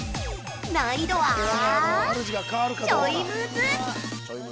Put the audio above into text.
難易度はちょいムズ。